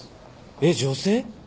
えっ女性？